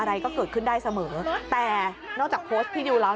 อะไรก็เกิดขึ้นได้เสมอแต่นอกจากโพสต์ที่ดูแล้ว